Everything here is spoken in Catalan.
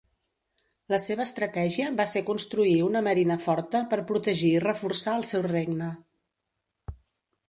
La seva estratègia va ser construir una marina forta per protegir i reforçar el seu regne.